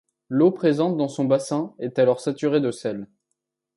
L'eau présente dans son bassin est alors saturée de sel.